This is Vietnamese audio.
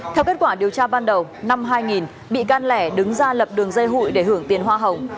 theo kết quả điều tra ban đầu năm hai nghìn bị can lẻ đứng ra lập đường dây hụi để hưởng tiền hoa hồng